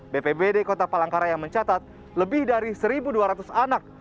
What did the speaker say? bpbd kota palangkaraya mencatat lebih dari satu dua ratus anak